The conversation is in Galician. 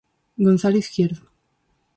Gonzalo Izquierdo.